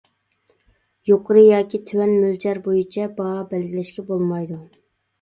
يۇقىرى ياكى تۆۋەن مۆلچەر بويىچە باھا بەلگىلەشكە بولمايدۇ.